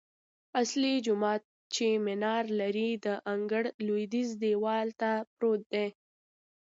اصلي جومات چې منار لري، د انګړ لویدیځ دیوال ته پروت دی.